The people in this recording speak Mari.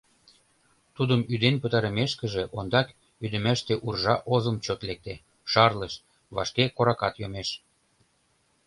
Тудын ӱден пытарымешкыже, ондак ӱдымаште уржа озым чот лекте, шарлыш, вашке коракат йомеш.